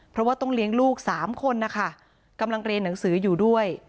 เพราะว่าต้องเลี้ยงลูกสามคนนะคะกำลังเรียนหนังสืออยู่ด้วย